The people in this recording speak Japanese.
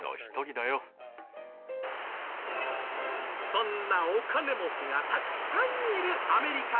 そんなお金持ちがたくさんいるアメリカ